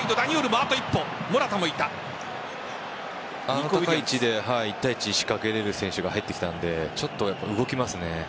あの高い位置で一対一を仕掛けられる選手が入ってきたのでちょっと動きますね。